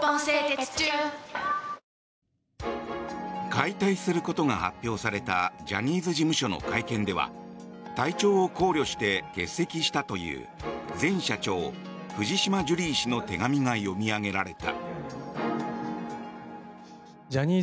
解体することが発表されたジャニーズ事務所の会見では体調を考慮して欠席したという前社長、藤島ジュリー氏の手紙が読み上げられた。